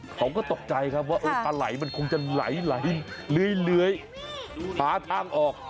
เขาก็ตกใจครับว่าปลาไหล่มันคงจะไหลเลื้อยหาทางออก